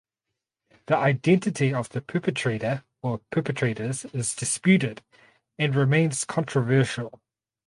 The identity of the perpetrator or perpetrators is disputed and remains controversial.